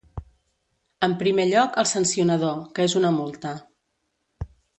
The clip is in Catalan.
En primer lloc, el sancionador, que és una multa.